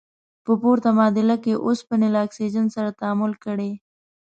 په پورته معادله کې اوسپنې له اکسیجن سره تعامل کړی.